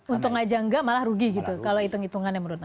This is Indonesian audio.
untung aja enggak malah rugi gitu kalau hitung hitungannya menurut anda